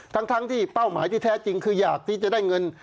ทั้งที่เป้าหมายที่แท้จริงคืออยากที่จะได้เงิน